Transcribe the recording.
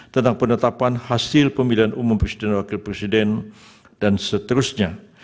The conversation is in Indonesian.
tentang penetapan hasil pemilihan umum presiden wakil presiden dan seterusnya